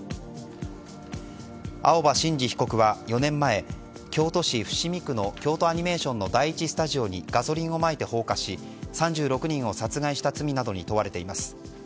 青葉真司被告は４年前京都市伏見区の京都アニメーションの第１スタジオにガソリンをまいて放火し３６人を殺害した罪などに問われています。